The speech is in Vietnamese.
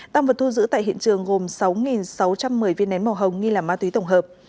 tăng vật thu giữ tại hiện trường gồm sáu sáu trăm một mươi viên nén màu hồng nghi là ma túy tổng hợp